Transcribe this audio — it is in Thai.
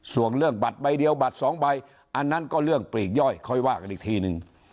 ส่วนเรื่องบัตรใบเดียวบัตรสองใบอันนั้นก็เรื่องปลีกย่อยค่อยว่ากันอีกทีนึง